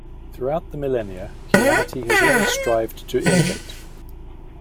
Throughout the millenia, humanity has always strived to innovate.